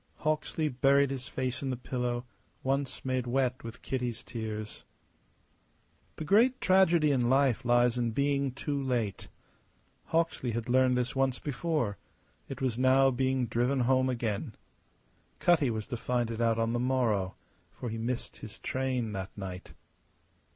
Hawksley buried his face in the pillow once made wet with Kitty's tears. The great tragedy in life lies in being too late. Hawksley had learned this once before; it was now being driven home again. Cutty was to find it out on the morrow, for he missed his train that night.